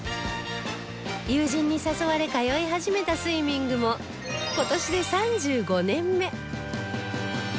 友人に誘われ通い始めたスイミングも今年で３５年目